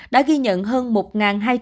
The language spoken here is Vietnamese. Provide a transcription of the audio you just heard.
đã ghi nhận hơn một hai trăm linh ca f